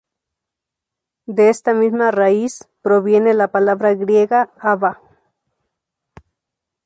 De esta misma raíz proviene la palabra griega "Abba".